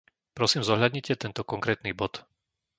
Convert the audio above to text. Prosím zohľadnite tento konkrétny bod.